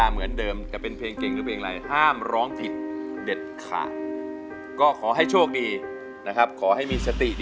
เลือกเพลงอะไรพี่ครับพี่ครับพี่